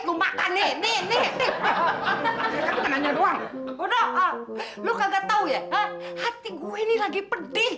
lu makan nih nih nih nanya doang udah lu kagak tahu ya hati gue ini lagi pedih